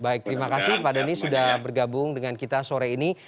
baik terima kasih pak dhani sudah bergabung dengan kita sore ini